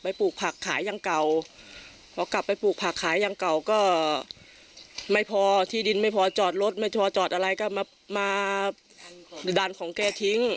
แผนประกอบคำรับสารภาพก็เป็นสิทธิ์ของผู้ต้องหาเขาไม่ได้รับอนุญาต